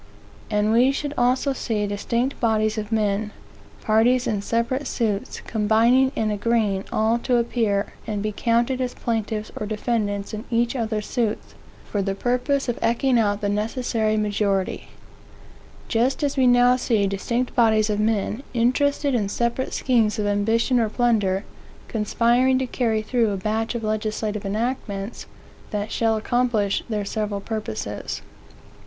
And we should also see distinct bodies of men, parties in separate suits, combining and agreeing all to appear and be counted as plaintiffs or defendants in each other's suits, for the purpose of ekeing out the necessary majority; just as we now see distinct bodies of men, interested in separate schemes of ambition or plunder, conspiring to carry through a batch of legislative enactments, that shall accomplish their several purposes.